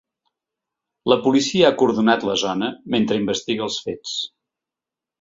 La policia ha acordonat la zona, mentre investiga els fets.